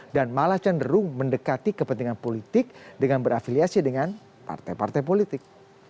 dan malah cenderung mendekati kepentingan politik dengan berafiliasi dengan partai partai politik